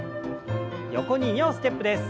横に２歩ステップです。